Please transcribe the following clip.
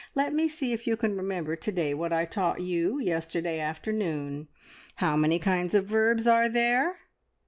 Let me see if you can remember to day what I taught you yesterday afternoon. How many kinds of verbs are there?'